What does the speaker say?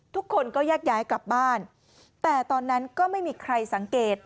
ทุกคนก็แยกย้ายกลับบ้านแต่ตอนนั้นก็ไม่มีใครสังเกต